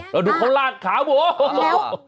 แล้วดูคนราดขาหมู